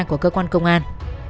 của cơ quan công an